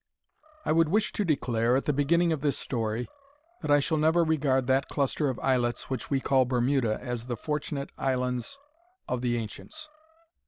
I WOULD wish to declare, at the beginning of this story, that I shall never regard that cluster of islets which we call Bermuda as the Fortunate Islands of the ancients.